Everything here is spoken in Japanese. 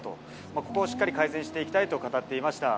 ここをしっかり改善していきたいと語っていました。